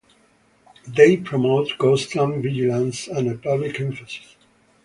They promoted constant vigilance and a public emphasis.